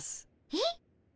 えっ？